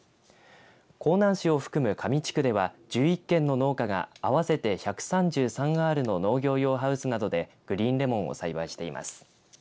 香南市を含む香美地区では１１軒の農家が合わせて１３３アールの農業用ハウスなどでグリーンレモンを栽培しています。